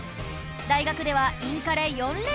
大学ではインカレ４連覇